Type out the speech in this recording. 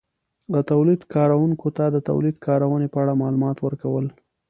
-د تولید کارونکو ته د تولید کارونې په اړه مالومات ورکول